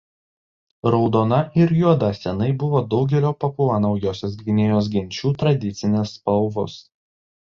Raudona ir juoda senai buvo daugelio Papua Naujosios Gvinėjos genčių tradicinės spalvos.